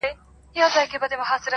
په ځنګلونو کي یې نسل ور پایمال که!!